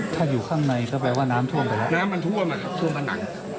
ถ้าอยู่ข้างในก็แปลว่าน้ำท่วมไปแล้วน้ำมันท่วมอะครับท่วมผนัง